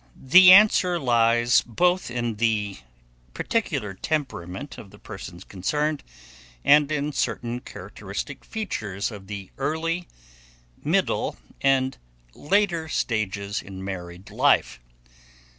The answer lies both in the particular temperament of the persons concerned and in certain characteristic features of the early, middle, and later stages in married life.